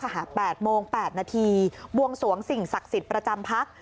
๘โมง๘นาทีบวงสวงสิ่งศักดิ์สิทธิ์ประจำพัก